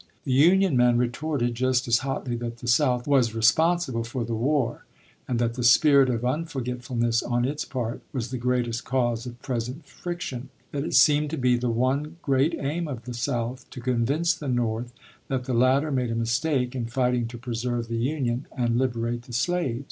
The Union man retorted just as hotly that the South was responsible for the war and that the spirit of unforgetfulness on its part was the greatest cause of present friction; that it seemed to be the one great aim of the South to convince the North that the latter made a mistake in fighting to preserve the Union and liberate the slaves.